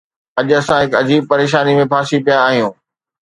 اڄ اسان هڪ عجيب پريشانيءَ ۾ ڦاسي پيا آهيون.